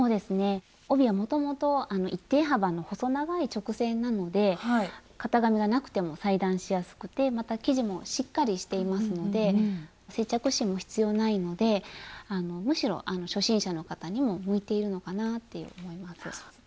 帯はもともと一定幅の細長い直線なので型紙がなくても裁断しやすくてまた生地もしっかりしていますので接着芯も必要ないのでむしろ初心者の方にも向いているのかなぁと思います。